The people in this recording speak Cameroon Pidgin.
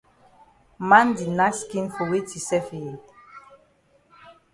Man di nack skin for weti sef eh?